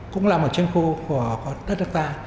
cũng là một chiến khu của đất nước ta